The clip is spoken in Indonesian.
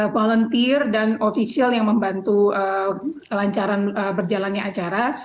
volunteer dan ofisial yang membantu lancaran berjalannya acara